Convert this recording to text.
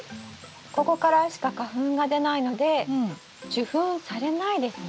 ここからしか花粉が出ないので受粉されないですね。